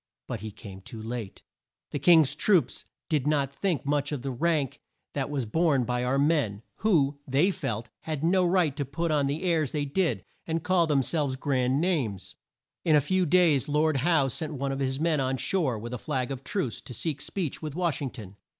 But he came too late. The Kings troops did not think much of the rank that was borne by our men, who, they felt, had no right to put on the airs they did, and call them selves grand names. In a few days Lord Howe sent one of his men on shore with a flag of truce, to seek speech with Wash ing ton.